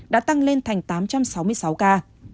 đã tăng lên thành tám trăm sáu mươi sáu ca